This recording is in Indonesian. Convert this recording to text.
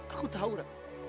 aku tahu ra